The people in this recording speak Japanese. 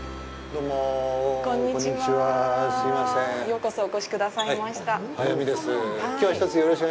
ようこそ、お越しくださいました。